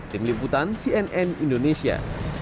tim liputan cnn indonesia